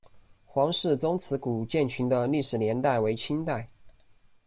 黄氏宗祠古建群的历史年代为清代。